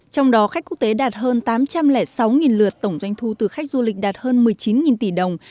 trong đó khách quốc tế đạt hơn tám trăm linh sáu lượt tổng doanh thu từ khách du lịch đạt hơn một mươi chín tỷ đồng